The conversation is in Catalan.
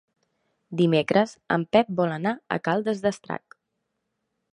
Dimecres en Pep vol anar a Caldes d'Estrac.